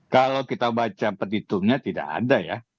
kalau kita baca petitumnya tidak ada ya